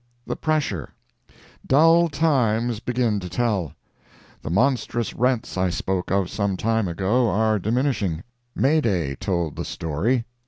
THE PRESSURE Dull times begin to tell. The monstrous rents I spoke of some time ago are diminishing. Mayday told the story.